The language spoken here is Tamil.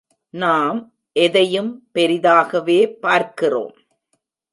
நாம் எதையும் பெரிதாகவே பார்க்கிறோம்.